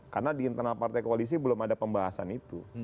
karena di internal partai koalisi belum ada pembahasan itu